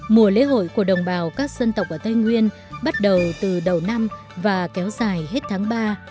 mùa lễ hội của đồng bào các dân tộc ở tây nguyên bắt đầu từ đầu năm và kéo dài hết tháng ba